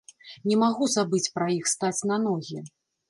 Не магу забыць пра іх, стаць на ногі.